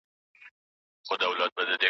سینوهه خپلي تجربې له موږ سره شریکي کړې.